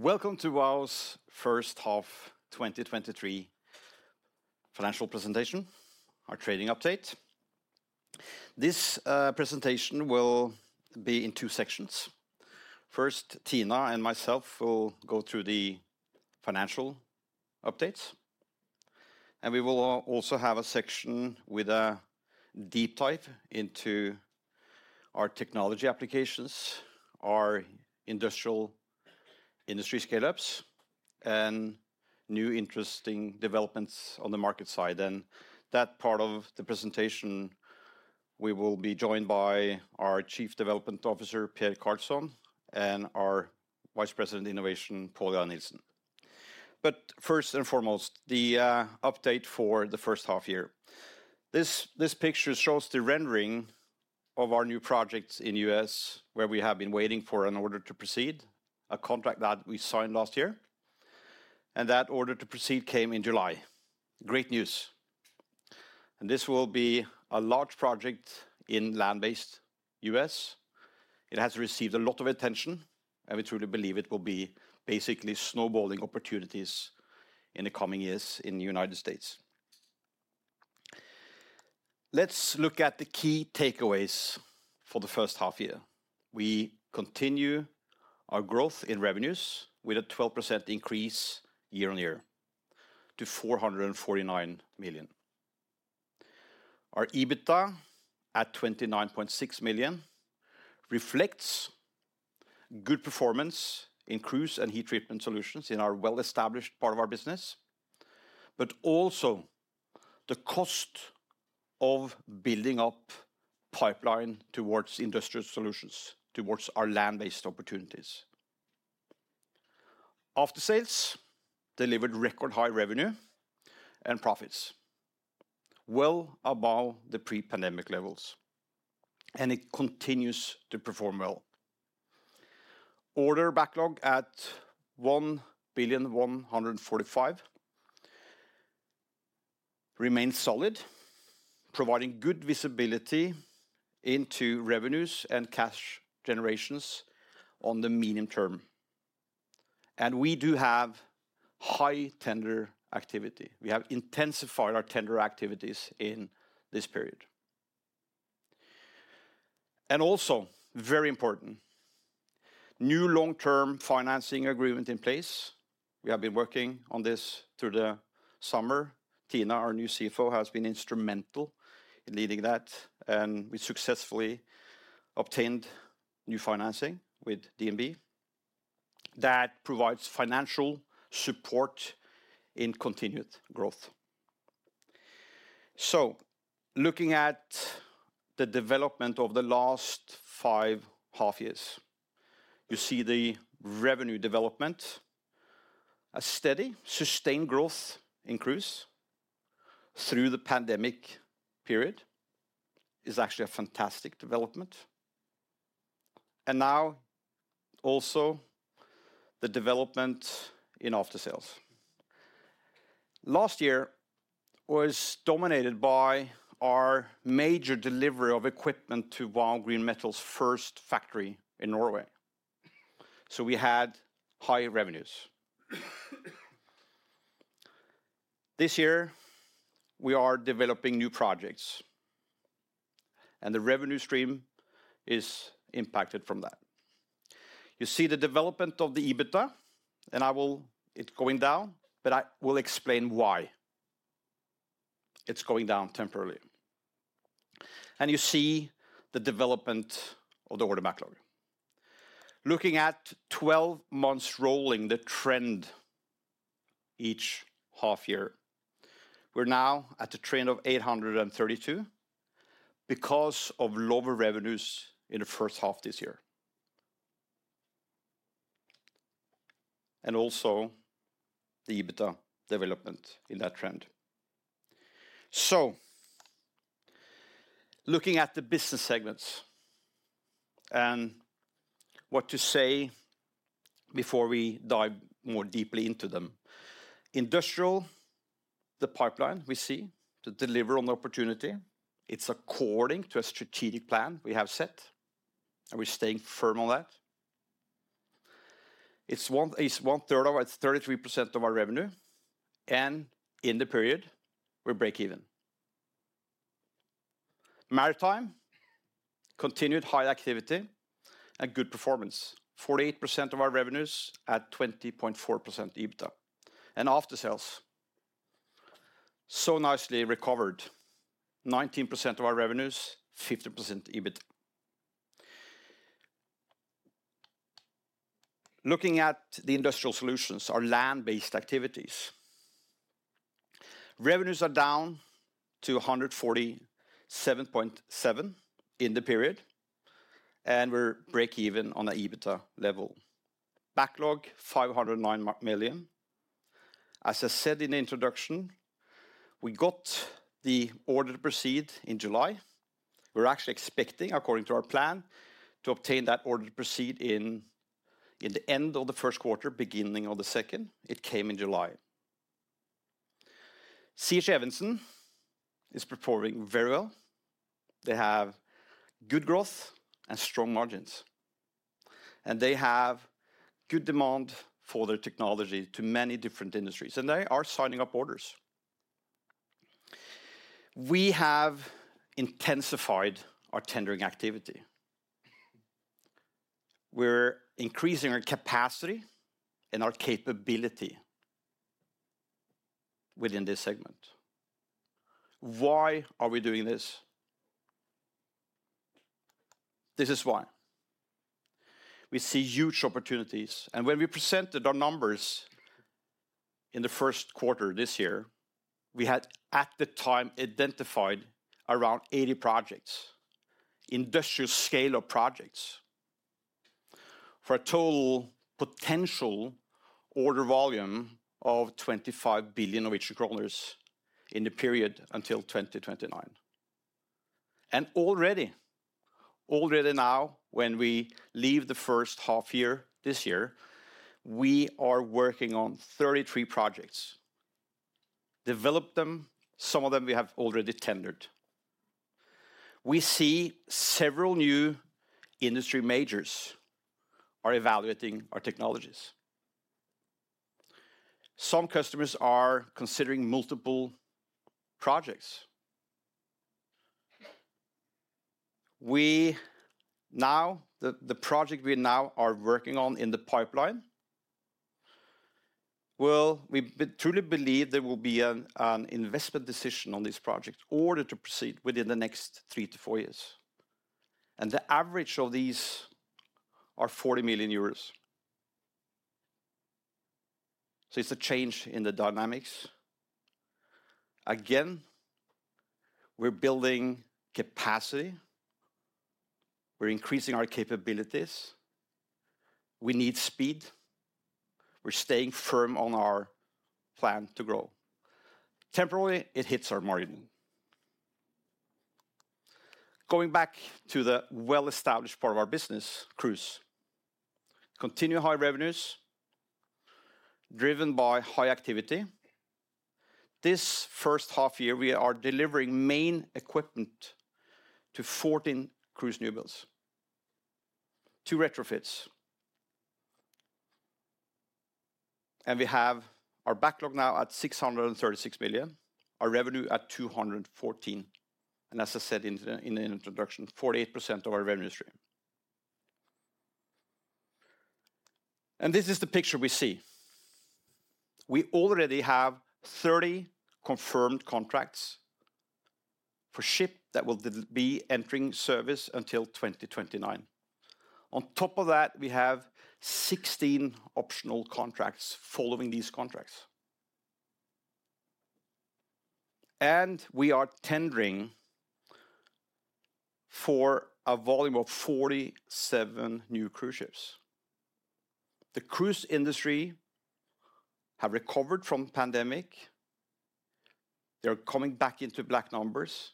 Welcome to Vow's first half 2023 financial presentation, our trading update. This presentation will be in 2 sections. First, Tina and myself will go through the financial updates, and we will also have a section with a deep dive into our technology applications, our industrial industry scale-ups, and new interesting developments on the market side. That part of the presentation, we will be joined by our Chief Development Officer, Per Carlsson, and our Vice President Innovation, Pål Jahre Nilsen. First and foremost, the update for the first half year. This picture shows the rendering of our new projects in U.S., where we have been waiting for an order to proceed, a contract that we signed last year, and that order to proceed came in July. Great news! This will be a large project in land-based U.S. It has received a lot of attention, we truly believe it will be basically snowballing opportunities in the coming years in the United States. Let's look at the key takeaways for the first half-year. We continue our growth in revenues with a 12% increase year-on-year to 449 million. Our EBITDA, at 29.6 million, reflects good performance in Cruise and Heat Treatment Solutions in our well-established part of our business, but also the cost of building up pipeline towards industrial solutions, towards our land-based opportunities. Aftersales delivered record high revenue and profits, well above the pre-pandemic levels, and it continues to perform well. Order backlog at 1,145 million remains solid, providing good visibility into revenues and cash generations on the medium-term. We do have high tender activity. We have intensified our tender activities in this period. Also, very important, new long-term financing agreement in place. We have been working on this through the summer. Tina, our new CFO, has been instrumental in leading that, and we successfully obtained new financing with DNB that provides financial support in continued growth. Looking at the development of the last five half years, you see the revenue development, a steady, sustained growth increase through the pandemic period is actually a fantastic development. Now, also, the development in aftersales. Last year was dominated by our major delivery of equipment to Vow Green Metals' first factory in Norway. We had high revenues. This year, we are developing new projects, and the revenue stream is impacted from that. You see the development of the EBITDA, and it's going down, but I will explain why it's going down temporarily. You see the development of the order backlog. Looking at 12 months rolling the trend each half year, we're now at a trend of 832 because of lower revenues in the first half this year. Also the EBITDA development in that trend. Looking at the business segments and what to say before we dive more deeply into them. Industrial, the pipeline we see to deliver on the opportunity, it's according to a strategic plan we have set, and we're staying firm on that. It's one, it's one third of our, it's 33% of our revenue, and in the period, we're break even. Maritime, continued high activity and good performance. 48% of our revenues at 20.4% EBITDA. Aftersales, nicely recovered, 19% of our revenues, 50% EBIT. Looking at the Industrial Solutions, our land-based activities, revenues are down to 147.7 in the period. We're break even on the EBITDA level. Backlog, 509 million. As I said in the introduction, we got the order to proceed in July. We're actually expecting, according to our plan, to obtain that order to proceed in the end of the first quarter, beginning of the second. It came in July. C.H. Evensen is performing very well. They have good growth and strong margins. They have good demand for their technology to many different industries. They are signing up orders. We have intensified our tendering activity. We're increasing our capacity and our capability within this segment. Why are we doing this? This is why. We see huge opportunities, when we presented our numbers in the first quarter this year, we had at the time identified around 80 projects, industrial scale of projects, for a total potential order volume of 25 billion Norwegian kroner in the period until 2029. Already, already now, when we leave the first half year this year, we are working on 33 projects. Developed them, some of them we have already tendered. We see several new industry majors are evaluating our technologies. Some customers are considering multiple projects. We now the project we now are working on in the pipeline, well, we truly believe there will be an investment decision on this project in order to proceed within the next 3-4 years. The average of these are 40 million euros. It's a change in the dynamics. Again, we're building capacity, we're increasing our capabilities. We need speed. We're staying firm on our plan to grow. Temporarily, it hits our margin. Going back to the well-established part of our business, Cruise. Continue high revenues, driven by high activity. This first half year, we are delivering main equipment to 14 cruise newbuilds, 2 retrofits. We have our backlog now at 636 million, our revenue at 214. As I said in the introduction, 48% of our revenue stream. This is the picture we see. We already have 30 confirmed contracts for ship that will be entering service until 2029. On top of that, we have 16 optional contracts following these contracts. We are tendering for a volume of 47 new cruise ships. The cruise industry have recovered from pandemic. They are coming back into black numbers,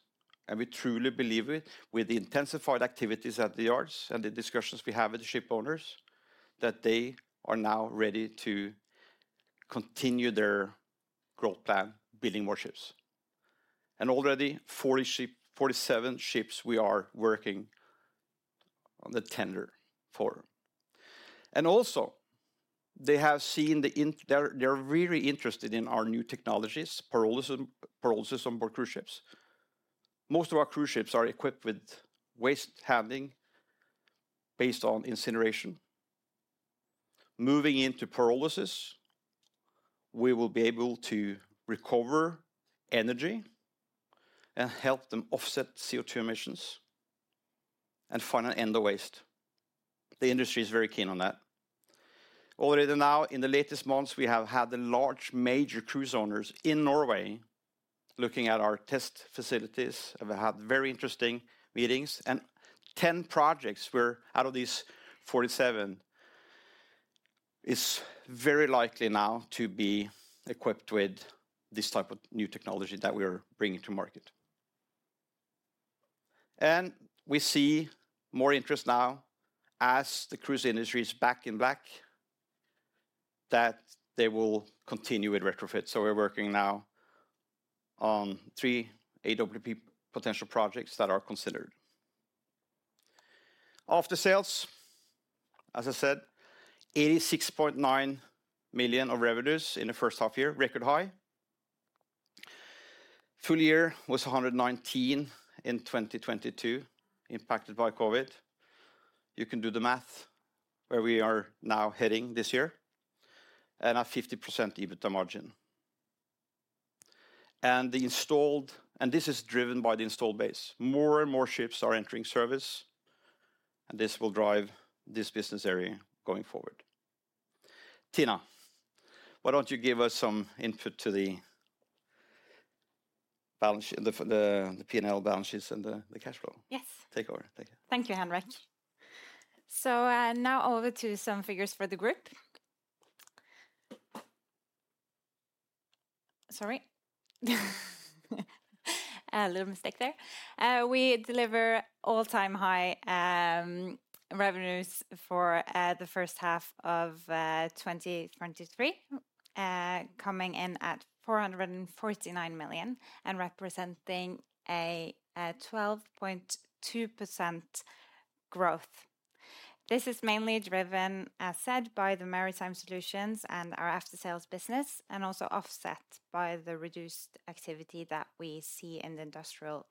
and we truly believe it, with the intensified activities at the yards and the discussions we have with the ship owners, that they are now ready to continue their growth plan, building more ships. Already 47 ships we are working on the tender for. Also, they have seen they're really interested in our new technologies, pyrolysis, pyrolysis on board cruise ships. Most of our cruise ships are equipped with waste handling based on incineration. Moving into pyrolysis, we will be able to recover energy and help them offset CO2 emissions and finally end the waste. The industry is very keen on that. Already now, in the latest months, we have had the large major cruise owners in Norway looking at our test facilities, and we had very interesting meetings, and 10 projects were out of these 47, is very likely now to be equipped with this type of new technology that we are bringing to market. We see more interest now as the cruise industry is back in black, that they will continue with retrofits, so we're working now on 3 AWP potential projects that are considered. After sales, as I said, 86.9 million of revenues in the first half-year, record high. Full year was 119 million in 2022, impacted by COVID. You can do the math, where we are now heading this year, and a 50% EBITDA margin. This is driven by the installed base. More and more ships are entering service, and this will drive this business area going forward. Tina, why don't you give us some input to the balance sheet, the P&L balance sheets and the cash flow? Yes. Take over. Thank you. Thank you, Henrik. Now over to some figures for the group. Sorry. A little mistake there. We deliver all-time high revenues for the first half of 2023, coming in at 449 million, and representing a 12.2% growth. This is mainly driven, as said, by the maritime solutions and our after-sales business, and also offset by the reduced activity that we see in the industrial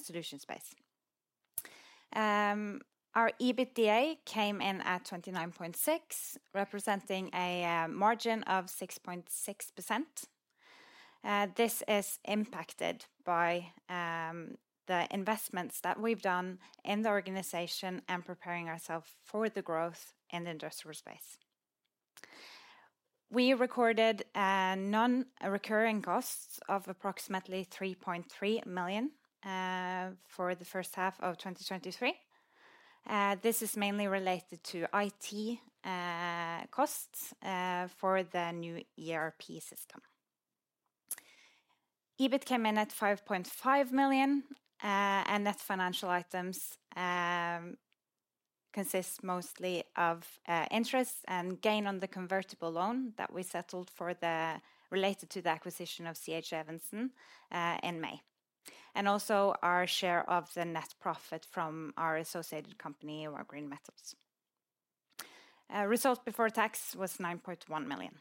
solution space. Our EBITDA came in at 29.6 million, representing a margin of 6.6%. This is impacted by the investments that we've done in the organization and preparing ourself for the growth in the industrial space. We recorded non-recurring costs of approximately 3.3 million for the first half of 2023. This is mainly related to IT costs for the new ERP system. EBIT came in at 5.5 million, and net financial items consist mostly of interest and gain on the convertible loan that we settled related to the acquisition of C.H. Evensen in May, and also our share of the net profit from our associated company, Vow Green Metals. Result before tax was 9.1 million.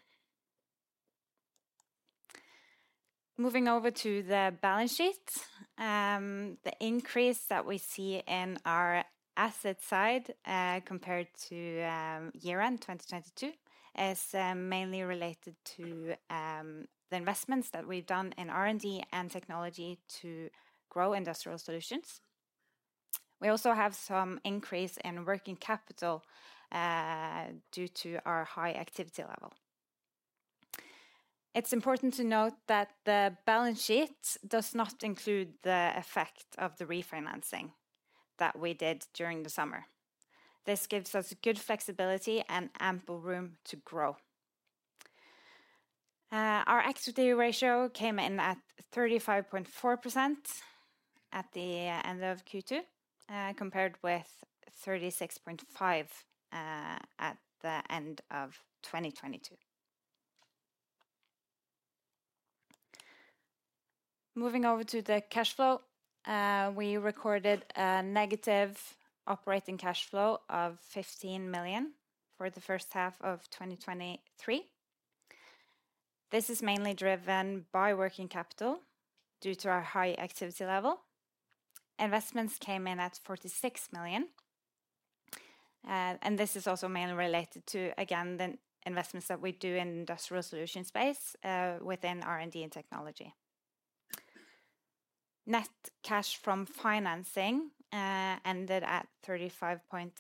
Moving over to the balance sheet, the increase that we see in our asset side, compared to year-end 2022, is mainly related to the investments that we've done in R&D and technology to grow industrial solutions. We also have some increase in working capital due to our high activity level. It's important to note that the balance sheet does not include the effect of the refinancing that we did during the summer. This gives us good flexibility and ample room to grow. Our equity ratio came in at 35.4% at the end of Q2, compared with 36.5% at the end of 2022. Moving over to the cash flow, we recorded a negative operating cash flow of 15 million for the first half of 2023. This is mainly driven by working capital due to our high activity level. Investments came in at 46 million, and this is also mainly related to, again, the investments that we do in industrial solution space, within R&D and technology. Net cash from financing, ended at 35.8 million,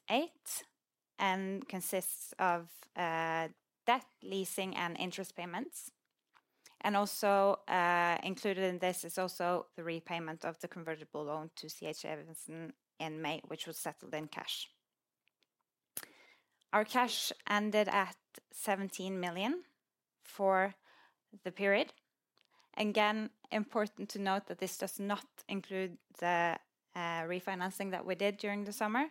and consists of debt, leasing, and interest payments. Also, included in this is also the repayment of the convertible loan to C.H. Evensen in May, which was settled in cash. Our cash ended at 17 million for the period. Again, important to note that this does not include the refinancing that we did during the summer.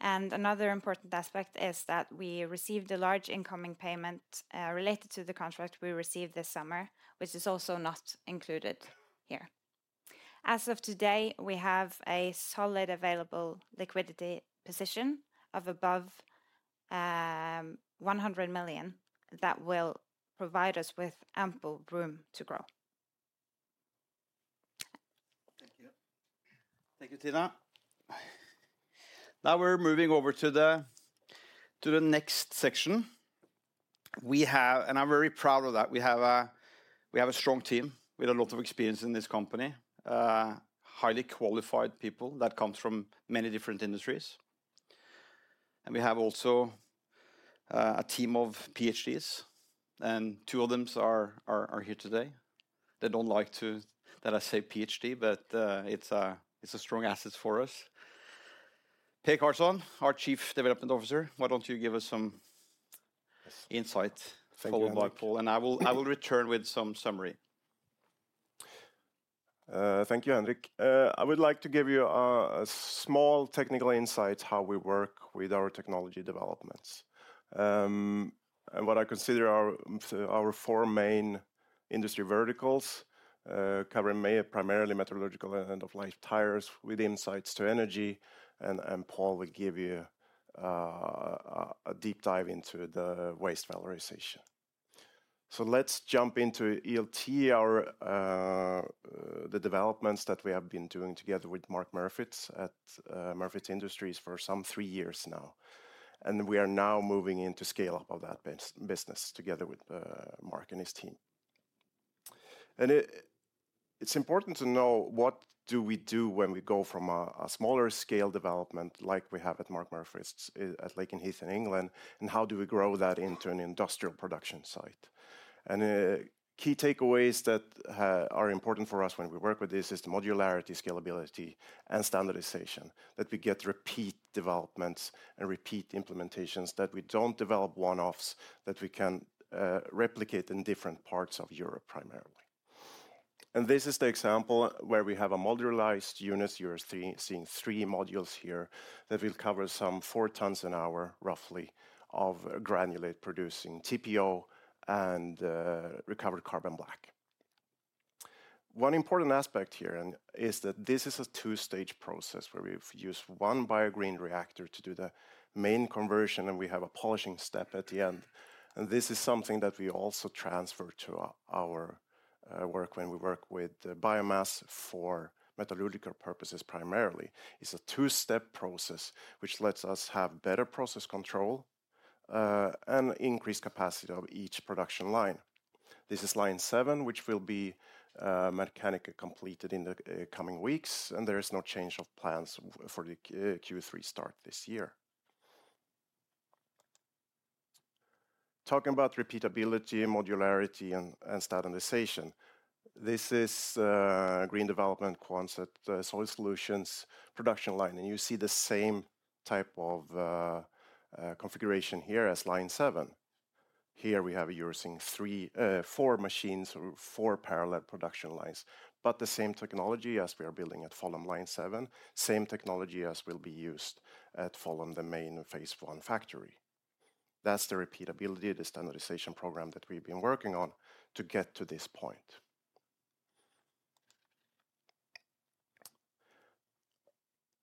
Another important aspect is that we received a large incoming payment, related to the contract we received this summer, which is also not included here. As of today, we have a solid available liquidity position of above 100 million, that will provide us with ample room to grow. Thank you. Thank you, Tina. Now we're moving over to the, to the next section. We have. I'm very proud of that, we have a strong team with a lot of experience in this company. Highly qualified people that comes from many different industries. We have also a team of PhDs, and two of them are here today. They don't like that I say PhD, but it's a strong asset for us. Per Carlsson, our Chief Development Officer, why don't you give us some- Yes insight. Thank you, Henrik. Followed by Pål, and I will, I will return with some summary. Thank you, Henrik. I would like to give you a small technical insight how we work with our technology developments. What I consider our four main industry verticals, covering primarily metallurgical end-of-life tires with insights to energy, and Pål will give you a deep dive into the waste valorization. Let's jump into ELT, our developments that we have been doing together with Mark Murfitt at Murfitts Industries for some three years now. We are now moving into scale-up of that business together with Mark and his team. It's important to know what do we do when we go from a smaller scale development, like we have at Mark Murfitt's at Lakenheath in England, and how do we grow that into an industrial production site? Key takeaways that are important for us when we work with this is the modularity, scalability, and standardization. That we get repeat developments and repeat implementations, that we don't develop one-offs, that we can replicate in different parts of Europe, primarily. This is the example where we have a modularized units. You are seeing three modules here that will cover some four tons an hour, roughly, of granulate producing TPO and recovered carbon black. One important aspect here is that this is a two-stage process where we've used one BioGreen reactor to do the main conversion, and we have a polishing step at the end. This is something that we also transfer to our work when we work with biomass for metallurgical purposes primarily. It's a two-step process, which lets us have better process control, and increased capacity of each production line. This is line seven, which will be mechanically completed in the coming weeks, and there is no change of plans for the Q3 start this year. Talking about repeatability, modularity, and standardization, this is green development concept, solid solutions, production line, and you see the same type of configuration here as line seven. Here we have using three, four machines, four parallel production lines, but the same technology as we are building at Follum line seven, same technology as will be used at Follum, the main phase one factory. That's the repeatability, the standardization program that we've been working on to get to this point.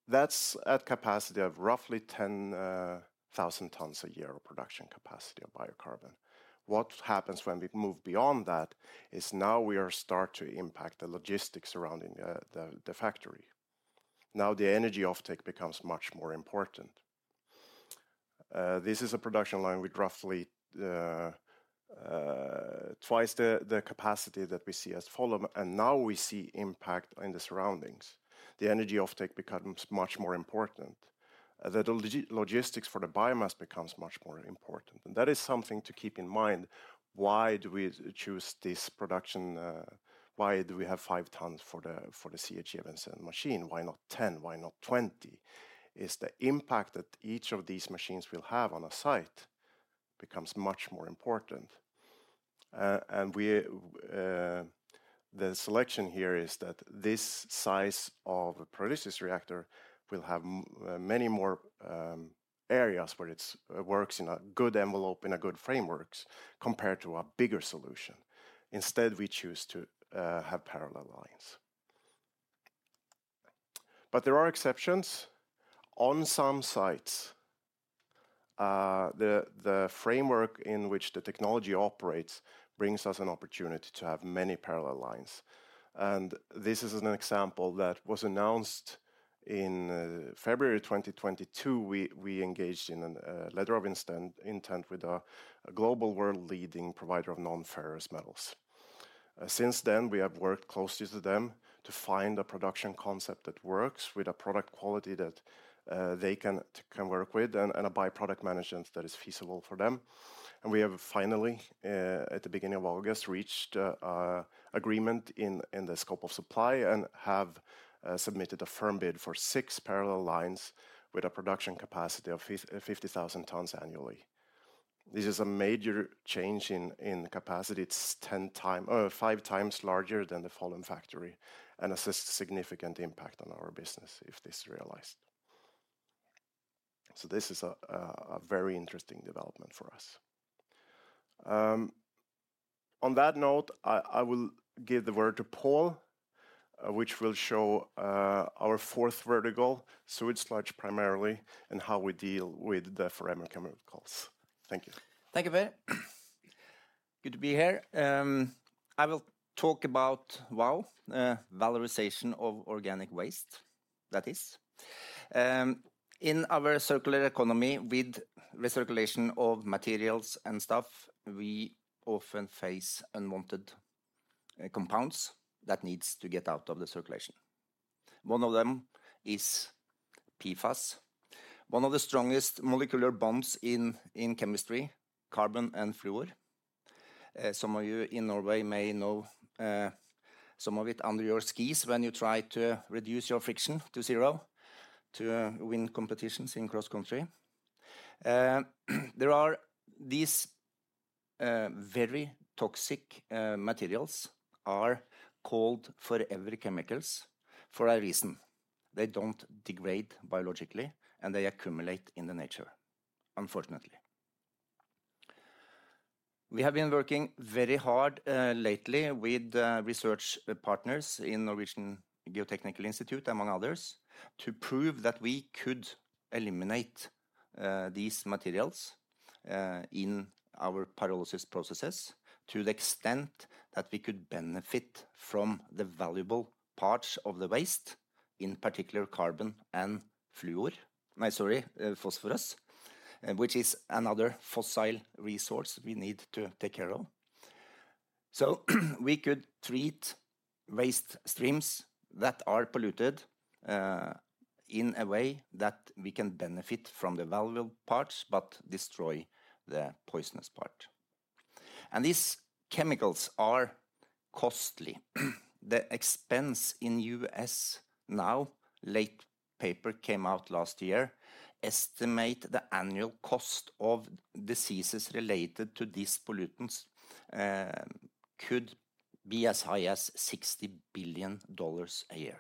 That's at capacity of roughly 10,000 tons a year of production capacity of biocarbon. What happens when we move beyond that, is now we are start to impact the logistics surrounding the factory. Now, the energy offtake becomes much more important. This is a production line with roughly twice the capacity that we see as Follum, and now we see impact in the surroundings. The energy offtake becomes much more important, that the logistics for the biomass becomes much more important. That is something to keep in mind. Why do we choose this production, why do we have 5 tons for the C.H. Evensen machine? Why not 10? Why not 20? Is the impact that each of these machines will have on a site becomes much more important. We, the selection here is that this size of a producer's reactor will have many more areas where it works in a good envelope, in a good frameworks, compared to a bigger solution. Instead, we choose to have parallel lines. There are exceptions. On some sites, the framework in which the technology operates brings us an opportunity to have many parallel lines, and this is an example that was announced in February 2022. We engaged in a letter of intent with a global world-leading provider of non-ferrous metals. Since then, we have worked closely with them to find a production concept that works with a product quality that they can work with, and a byproduct management that is feasible for them. We have finally, at the beginning of August, reached agreement in the scope of supply and have submitted a firm bid for 6 parallel lines with a production capacity of 50,000 tons annually. This is a major change in capacity. It's 5 times larger than the Follum factory, and this is a significant impact on our business if this realized. This is a very interesting development for us. On that note, I will give the word to Pål, which will show our 4th vertical, sewage sludge, primarily, and how we deal with the forever chemicals. Thank you. Thank you, Per. Good to be here. I will talk about Vow, Valorization of Organic Waste, that is. In our circular economy with recirculation of materials and stuff, we often face unwanted compounds that needs to get out of the circulation. One of them is PFAS, one of the strongest molecular bonds in, in chemistry, carbon and fluoride. Some of you in Norway may know some of it under your skis when you try to reduce your friction to 0 to win competitions in cross country. There are these very toxic materials are called forever chemicals for a reason. They don't degrade biologically, they accumulate in the nature, unfortunately. We have been working very hard lately with research partners in Norwegian Geotechnical Institute, among others, to prove that we could eliminate these materials in our pyrolysis processes, to the extent that we could benefit from the valuable parts of the waste, in particular, carbon and fluoride... I'm sorry, phosphorus, which is another fossil resource we need to take care of. We could treat waste streams that are polluted in a way that we can benefit from the valuable parts but destroy the poisonous part. These chemicals are costly. The expense in U.S. now, late-... paper came out last year, estimate the annual cost of diseases related to these pollutants could be as high as $60 billion a year.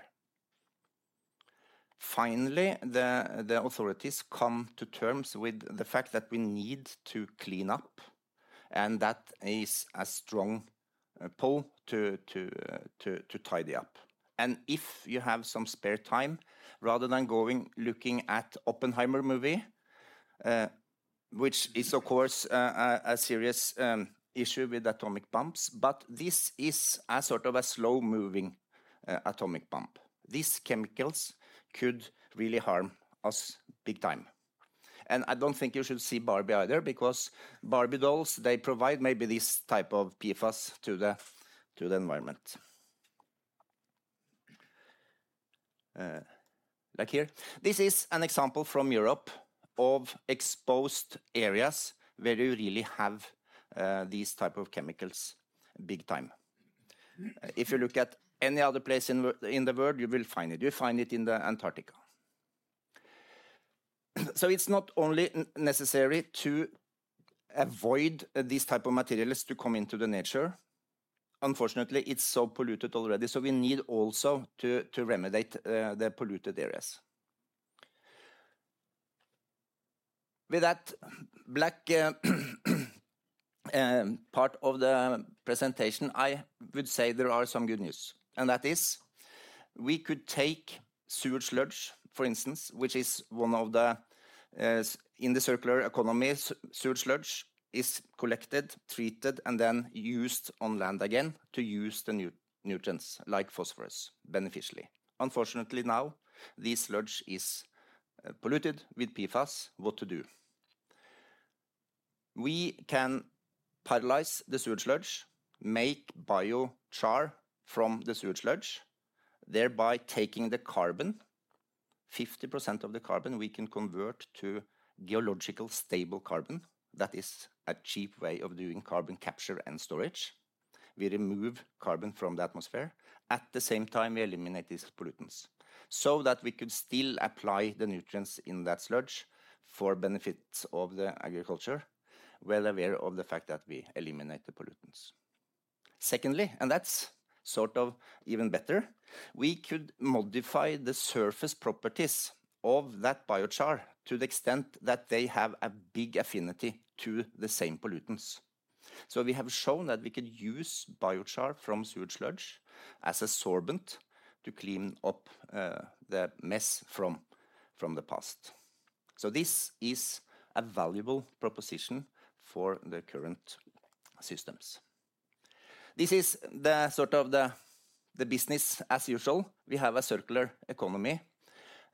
Finally, the, the authorities come to terms with the fact that we need to clean up, and that is a strong pull to, tidy up. If you have some spare time, rather than going looking at Oppenheimer movie, which is, of course, a, a serious issue with atomic bombs, but this is a sort of a slow-moving atomic bomb. These chemicals could really harm us big time. I don't think you should see Barbie either, because Barbie dolls, they provide maybe this type of PFAS to the, to the environment. Like here, this is an example from Europe of exposed areas where you really have these type of chemicals big time. If you look at any other place in the world, you will find it. You'll find it in the Antarctica. It's not only necessary to avoid these type of materials to come into the nature. Unfortunately, it's so polluted already, so we need also to remediate the polluted areas. With that black part of the presentation, I would say there are some good news, and that is, we could take sewage sludge, for instance, which is one of the, in the circular economy, sewage sludge is collected, treated, and then used on land again to use the nutrients like phosphorus, beneficially. Unfortunately, now, this sludge is polluted with PFAS. What to do? We can pyrolyze the sewage sludge, make biochar from the sewage sludge, thereby taking the carbon. 50% of the carbon we can convert to geological stable carbon. That is a cheap way of doing carbon capture and storage. We remove carbon from the atmosphere. At the same time, we eliminate these pollutants, so that we could still apply the nutrients in that sludge for benefits of the agriculture, well aware of the fact that we eliminate the pollutants. Secondly, that's sort of even better, we could modify the surface properties of that biochar to the extent that they have a big affinity to the same pollutants. We have shown that we could use biochar from sewage sludge as a sorbent to clean up the mess from the past. This is a valuable proposition for the current systems. This is the sort of the, the business as usual. We have a circular economy.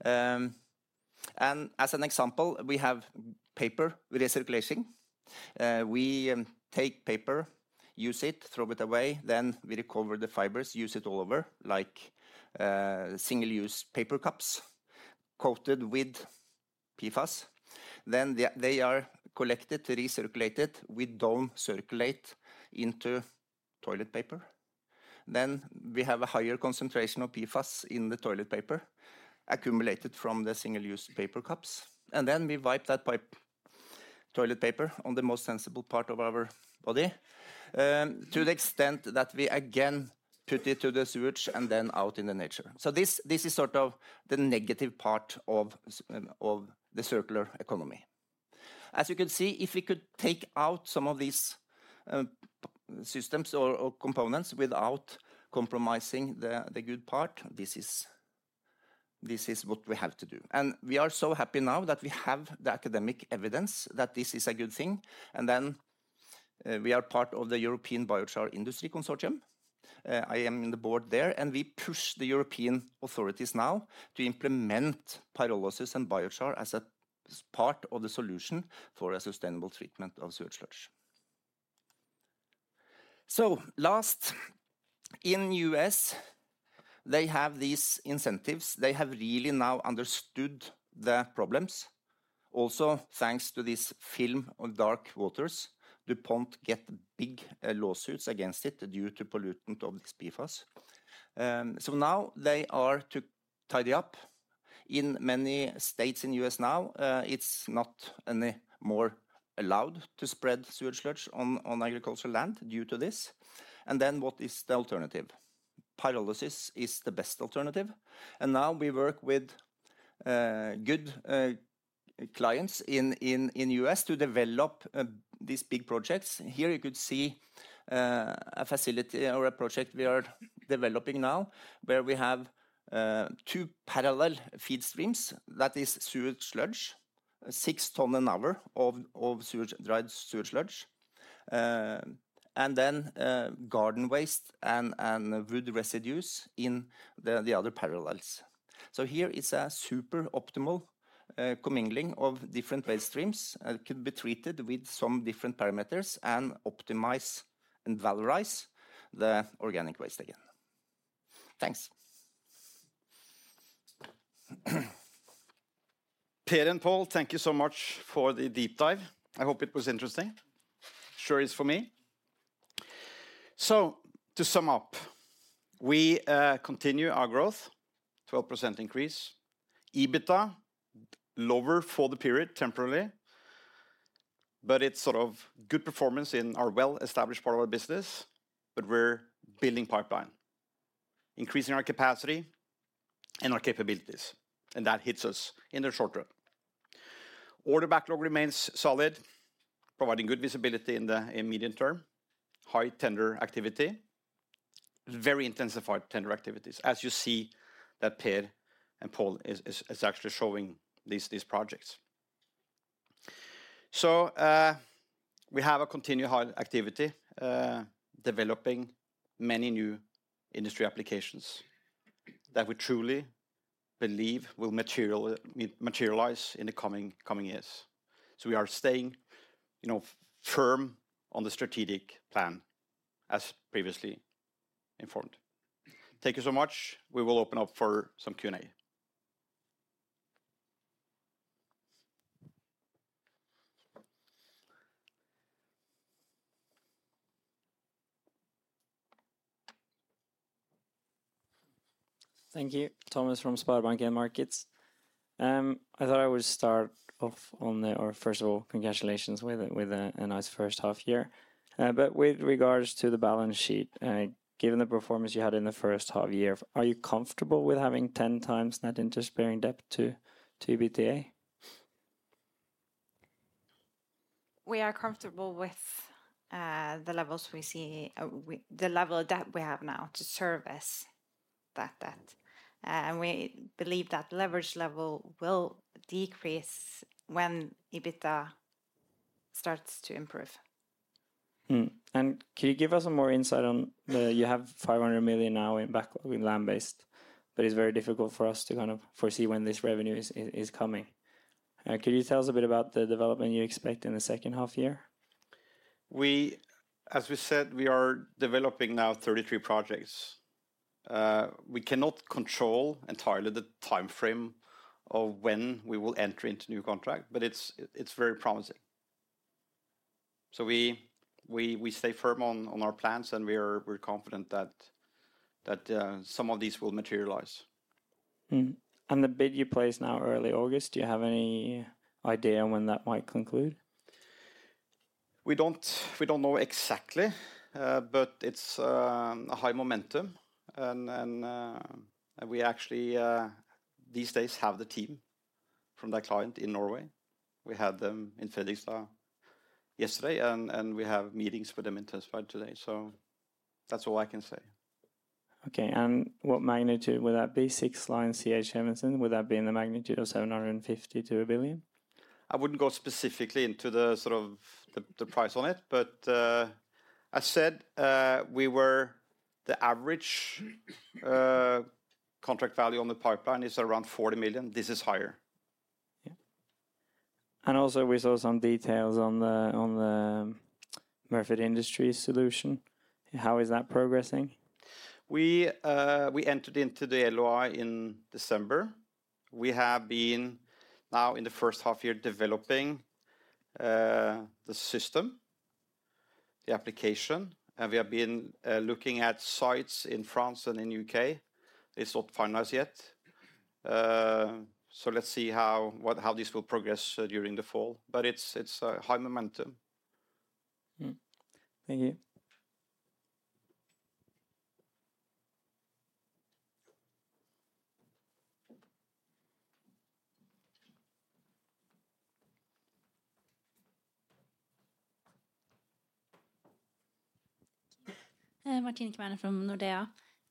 As an example, we have paper recirculation. We take paper, use it, throw it away, then we recover the fibers, use it all over, like single-use paper cups coated with PFAS. They, they are collected, recirculated. We don't circulate into toilet paper. We have a higher concentration of PFAS in the toilet paper, accumulated from the single-use paper cups, and then we wipe that toilet paper on the most sensible part of our body, to the extent that we again put it to the sewage and then out in the nature. This, this is sort of the negative part of the circular economy. As you can see, if we could take out some of these systems or components without compromising the good part, this is, this is what we have to do. We are so happy now that we have the academic evidence that this is a good thing, and then we are part of the European Biochar Industry Consortium. I am in the board there. We push the European authorities now to implement pyrolysis and biochar as a part of the solution for a sustainable treatment of sewage sludge. Last, in U.S., they have these incentives. They have really now understood the problems. Also, thanks to this film on Dark Waters, DuPont get big lawsuits against it due to pollutant of its PFAS. Now they are to tidy up. In many states in U.S. now, it's not any more allowed to spread sewage sludge on agricultural land due to this. Then what is the alternative? Pyrolysis is the best alternative. Now we work with good clients in U.S. to develop these big projects. Here you could see a facility or a project we are developing now, where we have two parallel feed streams that is sewage sludge, 6 tons an hour of dried sewage sludge, and then garden waste and wood residues in the other parallels. Here is a super optimal commingling of different waste streams, could be treated with some different parameters and optimize and valorize the organic waste again. Thanks. Per and Pål, thank you so much for the deep dive. I hope it was interesting. Sure is for me. To sum up, we continue our growth, 12% increase. EBITDA, lower for the period temporarily, but it's sort of good performance in our well-established part of our business, but we're building pipeline, increasing our capacity and our capabilities, and that hits us in the short-term. Order backlog remains solid, providing good visibility in the medium-term. High tender activity, very intensified tender activities, as you see that Per and Pål is actually showing these, these projects. We have a continued high activity, developing many new industry applications that we truly believe will materialize in the coming, coming years. We are staying, you know, firm on the strategic plan as previously informed. Thank you so much. We will open up for some Q&A. Thank you, Thomas from SpareBank 1 Markets. I thought I would start off, or first of all, congratulations with a nice first half year. With regards to the balance sheet, given the performance you had in the first half year, are you comfortable with having 10x net interest-bearing debt to EBITDA? We are comfortable with the levels we see with the level of debt we have now to service that debt. We believe that leverage level will decrease when EBITDA starts to improve. Can you give us some more insight on the-- you have 500 million now in backlog in land-based, it's very difficult for us to kind of foresee when this revenue is, is, is coming. Could you tell us a bit about the development you expect in the second half year? As we said, we are developing now 33 projects. We cannot control entirely the timeframe of when we will enter into new contract, but it's, it's very promising. We, we, we stay firm on, on our plans, and we are, we're confident that, that some of these will materialize. The bid you placed now early August, do you have any idea when that might conclude? We don't, we don't know exactly, but it's a high momentum. We actually these days have the team from that client in Norway. We had them in Fredrikstad yesterday, and we have meetings with them in Tønsberg today. That's all I can say. Okay, and what magnitude would that be? 6 lines C.H. Evensen, would that be in the magnitude of 750 million-1 billion? I wouldn't go specifically into the sort of the, the price on it, but, as said, the average contract value on the pipeline is around 40 million. This is higher. Yeah. Also, we saw some details on the, on the Murfitts Industries solution. How is that progressing? We entered into the LOI in December. We have been now, in the first half year, developing the system, the application, and we have been looking at sites in France and in U.K. It's not finalized yet. Let's see how this will progress during the fall, but it's a high momentum. Thank you. Martine Kverne from Nordea.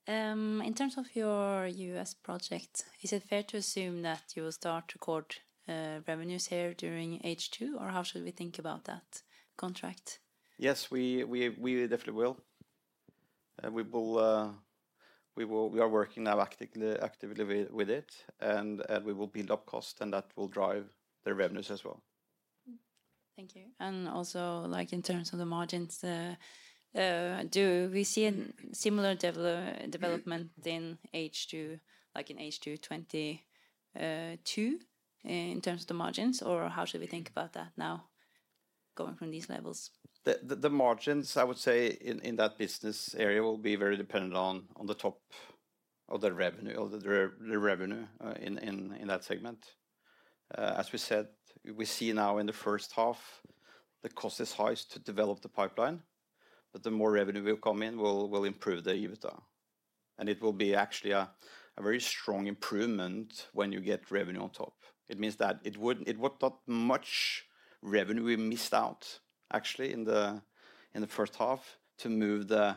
In terms of your U.S. project, is it fair to assume that you will start to record revenues here during H2, or how should we think about that contract? Yes, we, we, we definitely will. We will, we are working now actively, actively with, with it, and, and we will build up cost, and that will drive the revenues as well. Thank you. Also, like, in terms of the margins, do we see a similar development in H2, like in H2 2022, in terms of the margins? How should we think about that now, going from these levels? The margins, I would say, in that business area will be very dependent on the top of the revenue, of the revenue, in that segment. As we said, we see now in the first half, the cost is highest to develop the pipeline, but the more revenue will come in, will improve the EBITDA. It will be actually a very strong improvement when you get revenue on top. It means that it would not much revenue we missed out, actually, in the first half to move the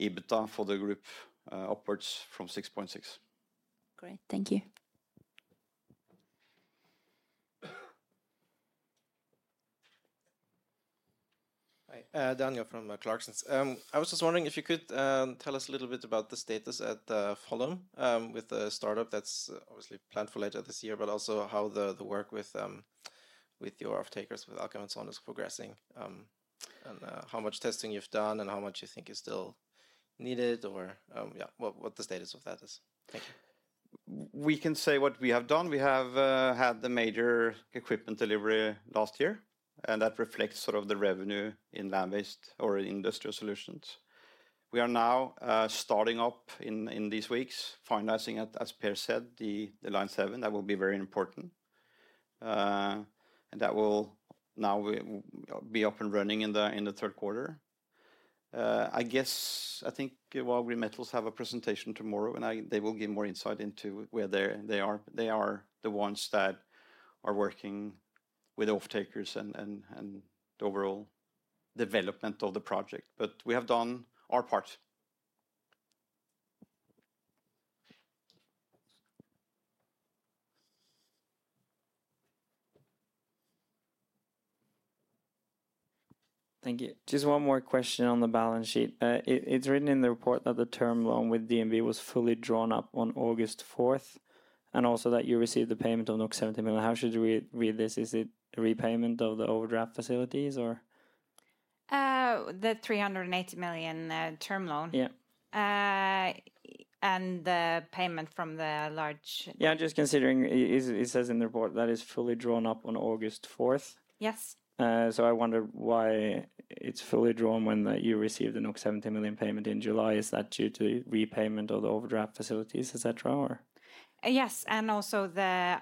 EBITDA for the group upwards from 6.6. Great. Thank you. Hi, Daniel from Clarksons. I was just wondering if you could tell us a little bit about the status at Follum with the startup that's obviously planned for later this year, but also how the work with your off-takers, with Alcoa and so on, is progressing, and how much testing you've done and how much you think is still needed or, yeah, what, what the status of that is? Thank you. We can say what we have done. We have had the major equipment delivery last year. That reflects sort of the revenue in land-based or industrial solutions. We are now starting up in these weeks, finalizing, as Per said, the line seven, that will be very important. That will now be up and running in the third quarter. I think, Vow Green Metals have a presentation tomorrow. They will give more insight into where they are. They are the ones that are working with off-takers and the overall development of the project. We have done our part. Thank you. Just one more question on the balance sheet. It's written in the report that the term loan with DNB was fully drawn up on August 4th, and also that you received the payment of 70 million. How should we read t his? Is it a repayment of the overdraft facilities or? The 380 million, term loan? Yeah. The payment from the large. Yeah, just considering, it says in the report that is fully drawn up on August 4th. Yes. I wonder why it's fully drawn when you received the 70 million payment in July. Is that due to repayment of the overdraft facilities, et cetera, or? Yes, and also the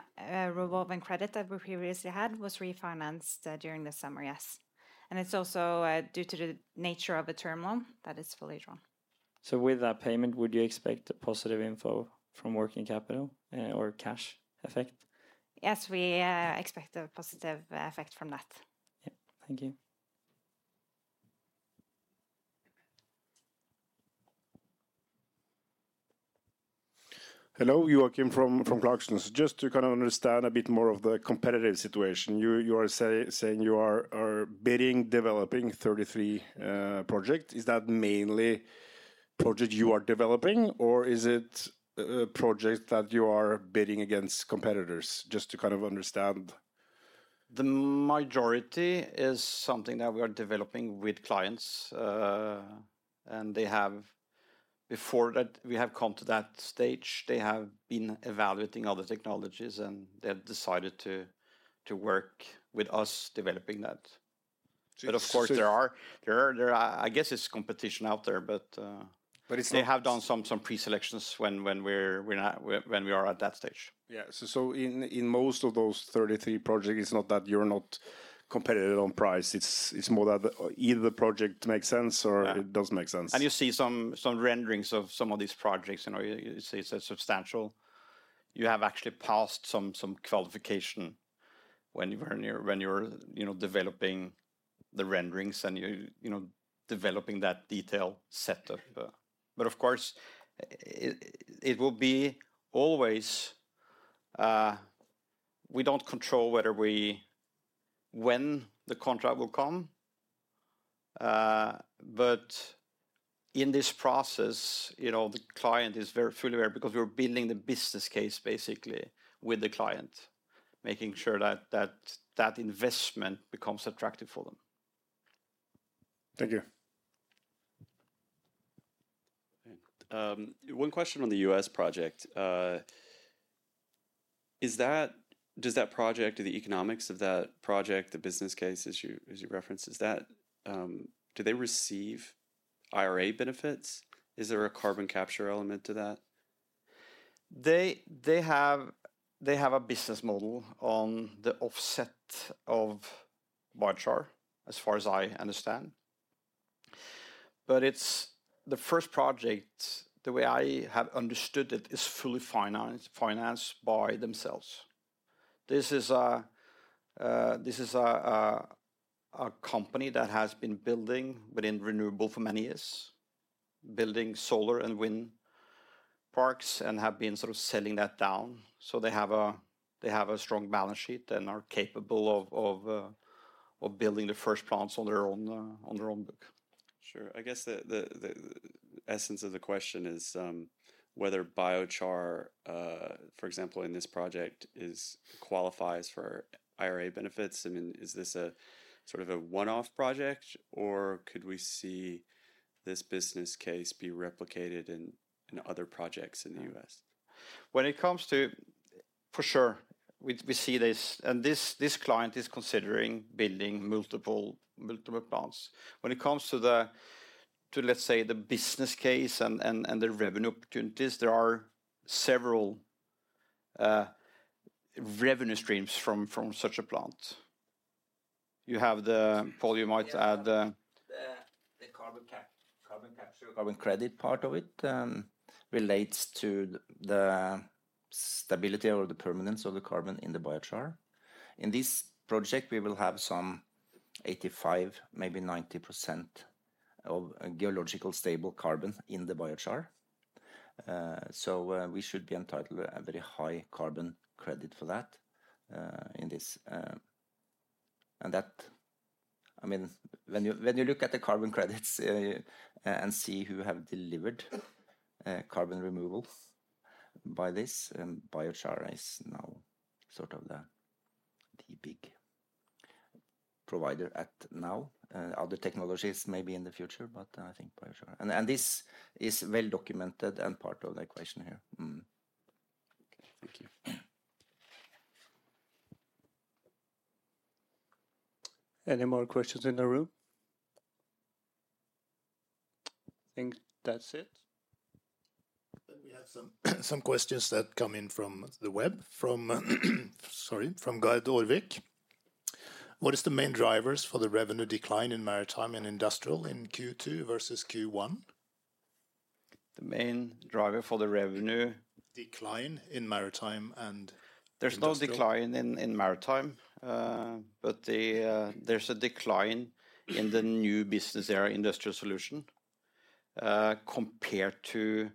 revolving credit that we previously had was refinanced during the summer. Yes. It's also due to the nature of the term loan that is fully drawn. With that payment, would you expect a positive info from working capital, or cash effect? Yes, we, expect a positive effect from that. Yeah. Thank you. Hello, Joakim from Clarksons. Just to kind of understand a bit more of the competitive situation. You are bidding, developing 33 project. Is that mainly project you are developing, or is it project that you are bidding against competitors? Just to kind of understand. The majority is something that we are developing with clients. Before that, we have come to that stage, they have been evaluating other technologies, and they have decided to, to work with us, developing that. So, so- Of course, there are, there are, there are, I guess, there's competition out there, but. it's not- They have done some, some pre-selections when, when we are at that stage. Yeah. In most of those 33 projects, it's not that you're not competitive on price, it's, it's more that either the project makes sense or... Yeah it doesn't make sense. You see some, some renderings of some of these projects, you know, you see it's a substantial. You have actually passed some, some qualification when you, when you're, you know, developing the renderings and you, you know, developing that detail set of. Of course, it will be always, we don't control whether when the contract will come. In this process, you know, the client is very fully aware, because we're building the business case basically with the client, making sure that, that, that investment becomes attractive for them. Thank you. One question on the U.S. project. Does that project or the economics of that project, the business case, as you, as you referenced, do they receive IRA benefits? Is there a carbon capture element to that? They have a business model on the offset of biochar, as far as I understand. It's the first project, the way I have understood it, is fully financed, financed by themselves. This is a company that has been building within renewable for many years, building solar and wind parks, and have been sort of selling that down. They have a strong balance sheet and are capable of building the first plants on their own, on their own book. Sure. I guess the, the, the essence of the question is, whether biochar, for example, in this project, qualifies for IRA benefits. I mean, is this a sort of a one-off project, or could we see this business case be replicated in other projects in the U.S.? When it comes to. For sure, we, we see this, and this client is considering building multiple, multiple plants. When it comes to the business case and the revenue opportunities, there are several revenue streams from such a plant. You have Pål, you might add, The carbon capture, carbon credit part of it, relates to the stability or the permanence of the carbon in the biochar. In this project, we will have some 85%, maybe 90% of geological stable carbon in the biochar. So, we should be entitled a very high carbon credit for that in this. That, I mean, when you look at the carbon credits, and see who have delivered carbon removal by this, and biochar is now sort of the big. Provider at now. other technologies maybe in the future, but, I think biochar. And this is well-documented and part of the equation here. Okay, thank you. Any more questions in the room? I think that's it. We have some, some questions that come in from the web, from, sorry, from Gard Aarvik. What is the main drivers for the revenue decline in maritime and industrial in Q2 versus Q1? The main driver for the revenue- Decline in maritime and industrial. There's no decline in, in maritime, but there's a decline in the new business area, Industrial solution, compared to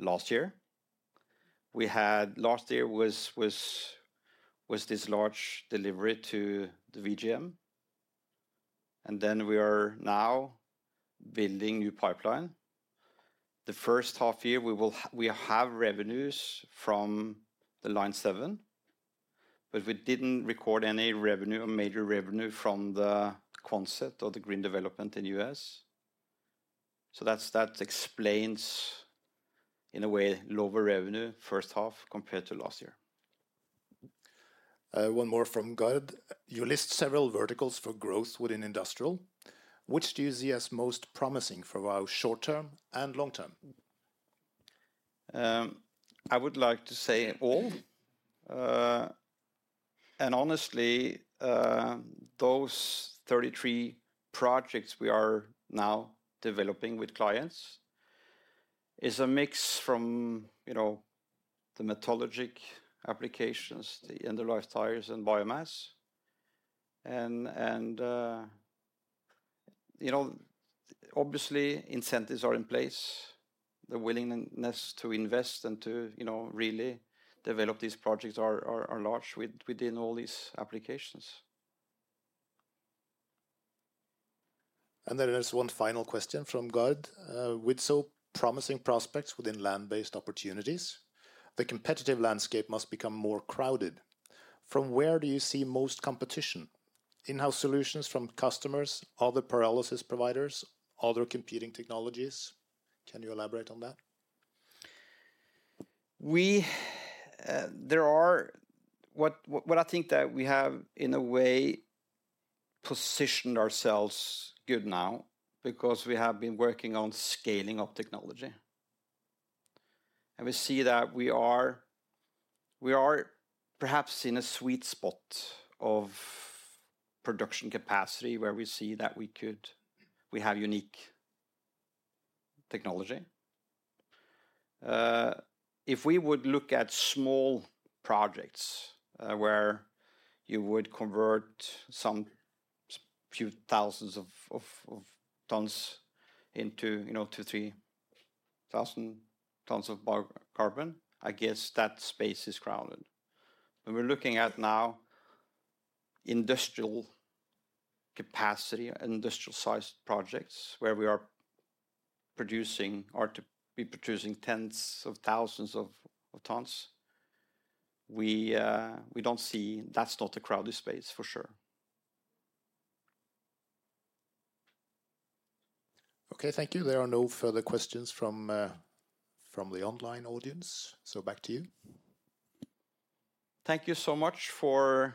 last year. Last year was this large delivery to the VGM. We are now building new pipeline. The first half-year, we have revenues from the line seven, but we didn't record any revenue or major revenue from the concept or the green development in U.S. That's, that explains, in a way, lower revenue first half compared to last year. One more from Gard. You list several verticals for growth within industrial. Which do you see as most promising for our short-term and long-term? I would like to say all. Honestly, those 33 projects we are now developing with clients is a mix from, you know, the metallurgic applications, the end-of-life tires and biomass. Obviously, incentives are in place. The willingness to invest and to, you know, really develop these projects are large within all these applications. Then there's one final question from Gard. With so promising prospects within land-based opportunities, the competitive landscape must become more crowded. From where do you see most competition? In-house solutions from customers, other pyrolysis providers, other competing technologies? Can you elaborate on that? We, there are. What I think that we have, in a way, positioned ourselves good now because we have been working on scaling up technology. We see that we are, we are perhaps in a sweet spot of production capacity, where we see that we could we have unique technology. If we would look at small projects, where you would convert some few thousands of tons into, you know, 2,000-3,000 tons of biocarbon, I guess that space is crowded. When we're looking at now industrial capacity, industrial-sized projects, where we are producing or to be producing tens of thousands of tons, we, we don't see that's not a crowded space, for sure. Okay, thank you. There are no further questions from, from the online audience, so back to you. Thank you so much.